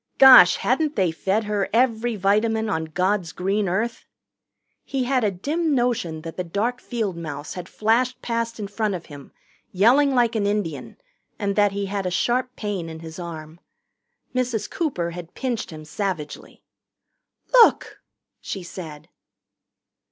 Gosh, hadn't they fed her every vitamin on God's green earth? He had a dim notion that the dark field mouse had flashed past in front of him yelling like an Indian and that he had a sharp pain in his arm. Mrs. Cooper had pinched him savagely. "Look!" she said.